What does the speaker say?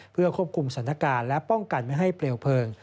เพื่อควบคุมสถานการณ์และป้องกันไม่ให้เปลวเพลิง